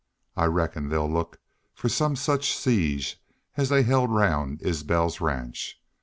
I reckon they'll look fer some such siege as they held round Isbel's ranch.